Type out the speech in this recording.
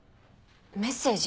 メッセージ？